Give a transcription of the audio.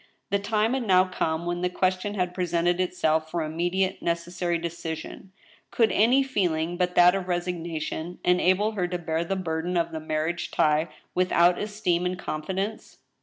The time had now come when jthe question had pre sented itself for immediate, necessary decision. Could any feeling but that of resignation enable her to bear the burden of the mar^ riage tie without esteem and confidence